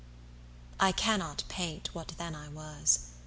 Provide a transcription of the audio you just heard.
–I cannot paint What then I was.